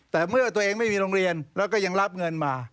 แต่เมื่อตัวเองไม่มีโรงเรียนแล้วก็ยังรับเงินมา